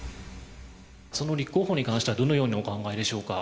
その立候補に関しては、どのようにお考えでしょうか？